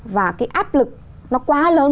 và cái áp lực nó quá lớn